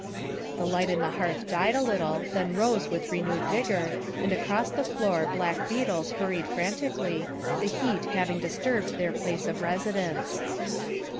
The light in the hearth died a little, then rose with renewed vigor, and across the floor black beetles hurried frantically, the heat having disturbed their place of residence.